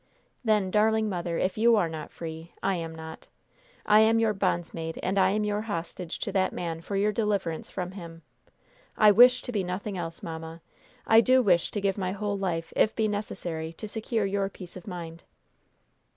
"Then, darling mother, if you are not free, I am not. I am your bondsmaid, and I am your hostage to that man for your deliverance from him. I wish to be nothing else, mamma. I do wish to give my whole life, if it be necessary, to secure your peace of mind."